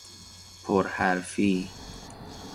پر حرفی